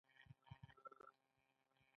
د اوبو په منابعو باندې نور پرمختګونه هم وشول.